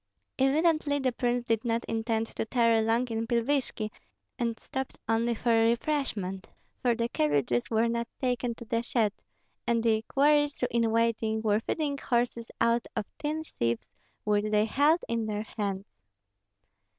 Evidently the prince did not intend to tarry long in Pilvishki, and had stopped only for refreshment, for the carriages were not taken to the shed; and the equerries, in waiting, were feeding horses out of tin sieves which they held in their hands.